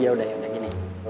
yaudah yaudah gini